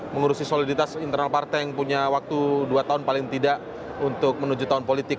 mengurusi soliditas internal partai yang punya waktu dua tahun paling tidak untuk menuju tahun politik